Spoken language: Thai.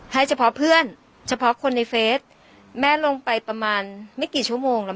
ให้เฉพาะเพื่อนเฉพาะคนในเฟสแม่ลงไปประมาณไม่กี่ชั่วโมงแล้ว